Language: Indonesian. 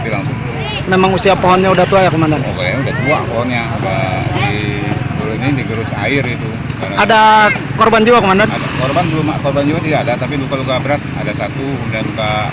ada empat orang korban